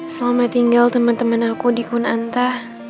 selama tinggal teman teman aku di kun'anta